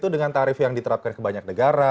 dengan tarif yang diterapkan ke banyak negara